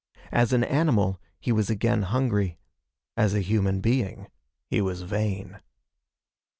As an animal, he was again hungry. As a human being, he was vain.